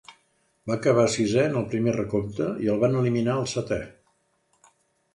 Va acabar sisè en el primer recompte i el van eliminar al setè.